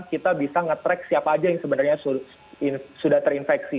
kita bisa nge track siapa aja yang sebenarnya sudah terinfeksi